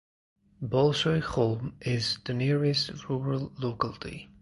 Bolshoy Kholm is the nearest rural locality.